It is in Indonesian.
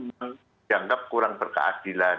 yang dianggap kurang berkeadilan